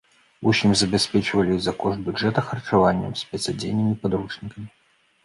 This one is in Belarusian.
Вучняў забяспечвалі за кошт бюджэта харчаваннем, спецадзеннем і падручнікамі.